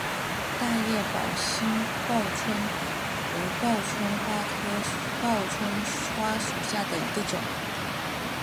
大叶宝兴报春为报春花科报春花属下的一个种。